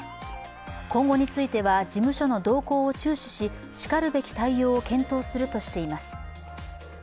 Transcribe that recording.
今後については事務所の動向を注視し、しかるべき対応を検討するとしています。